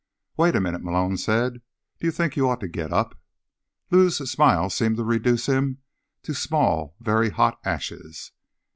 "Wait a minute," Malone said. "Do you think you ought to get up?" Lou's smile seemed to reduce him to small, very hot ashes.